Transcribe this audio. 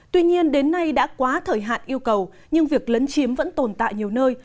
tuy nhiên đến nay đã quá thời hạn yêu cầu nhưng việc lấn chiếm vẫn tồn tại nhiều nơi